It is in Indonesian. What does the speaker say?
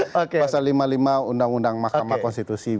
pasal lima puluh lima undang undang mahkamah konstitusi